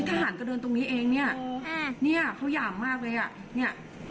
ทหารก็เดินตรงนี้เองเนี่ยเนี่ยเขาหยามมากเลยอ่ะเนี่ย